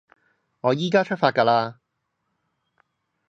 我依加出發㗎喇